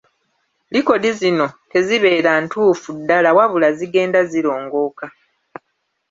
Likodi zino tezibeera ntuufu ddala wabula zigenda zirongooka.